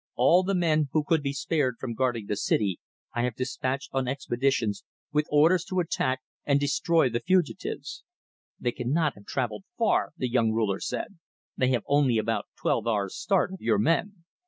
"All the men who could be spared from guarding the city I have dispatched on expeditions with orders to attack and destroy the fugitives." "They cannot have travelled far," the young ruler said. "They have only about twelve hours' start of your men."